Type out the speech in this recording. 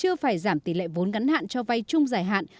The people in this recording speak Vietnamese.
chưa phải giảm tỷ lệ vốn ngắn hạn cho vay chung giải hạn